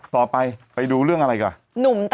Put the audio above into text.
ไปดูเรื่องอะไรก่อน